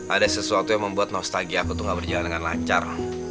ada sesuatu yang membuat nostalgia aku tuh gak berjalan dengan lancar